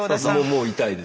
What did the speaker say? もう痛いです。